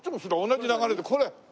同じ流れでこれ。